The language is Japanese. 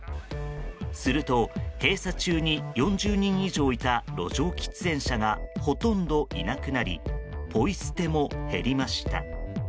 すると、閉鎖中に４０人以上いた路上喫煙者がほとんどいなくなりポイ捨ても減りました。